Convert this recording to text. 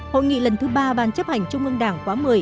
hội nghị lần thứ ba ban chấp hành trung ương đảng khóa một mươi